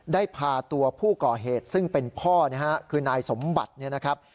ได้พาตัวผู้ก่อเหตุซึ่งเป็นพ่อนะฮะคือนายสมบัติเนี่ยนะครับ